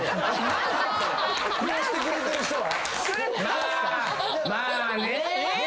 まあね。